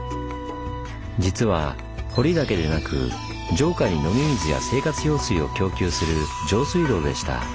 実は堀だけでなく城下に飲み水や生活用水を供給する上水道でした。